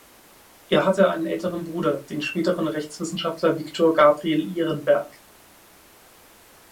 Er hatte einen älteren Bruder, den späteren Rechtswissenschaftler Viktor Gabriel Ehrenberg.